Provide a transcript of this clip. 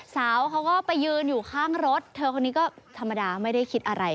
สาวเขาก็ไปยืนอยู่ข้างรถเธอคนนี้ก็ธรรมดาไม่ได้คิดอะไร